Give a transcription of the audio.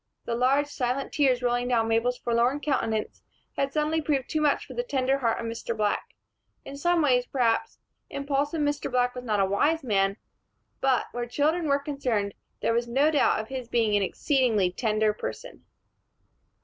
The large silent tears rolling down Mabel's forlorn countenance had suddenly proved too much for the tender heart of Mr. Black. In some ways, perhaps, impulsive Mr. Black was not a wise man; but, where children were concerned, there was no doubt of his being an exceedingly tender person.